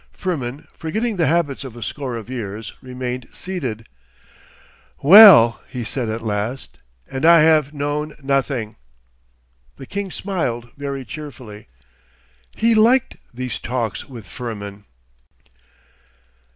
Firmin, forgetting the habits of a score of years, remained seated. 'Well,' he said at last. 'And I have known nothing!' The king smiled very cheerfully. He liked these talks with Firmin.